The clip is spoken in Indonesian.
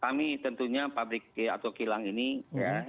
kami tentunya pabrik atau kilang ini ya